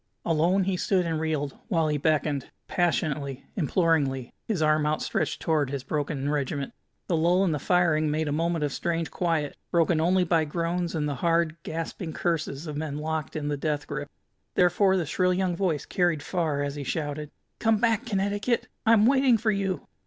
Alone he stood and reeled, while he beckoned, passionately, imploringly, his arm outstretched toward his broken regiment. The lull in the firing made a moment of strange quiet, broken only by groans and the hard, gasping curses of men locked in the death grip. Therefore the shrill young voice carried far, as he shouted: "Come back, Connecticut! I'm waiting for you!"